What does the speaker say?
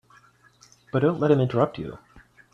But don't let him interrupt you.